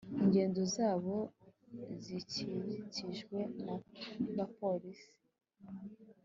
ingendo zabo zikikijwe naba polisi